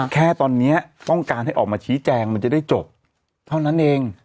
แค่ตอนนี้ต้องการให้ออกมาชี้แจงมันจะได้จบเท่านั้นเอง